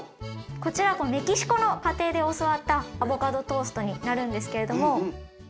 こちらメキシコの家庭で教わったアボカドトーストになるんですけれども。